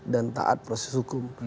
dan taat proses hukum